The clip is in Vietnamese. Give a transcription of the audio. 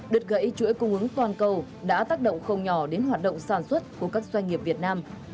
đứt gãy chuỗi cung ứng toàn cầu đã tác động không nhỏ đến hoạt động sản xuất của các doanh nghiệp việt nam